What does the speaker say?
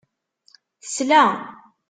Tesla.